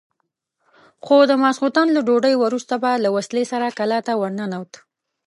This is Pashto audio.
خو د ماخستن له ډوډۍ وروسته به له وسلې سره کلا ته ورننوت.